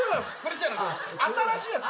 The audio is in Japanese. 新しいやつ。